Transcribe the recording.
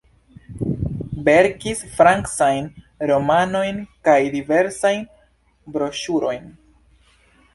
Verkis francajn romanojn kaj diversajn broŝurojn.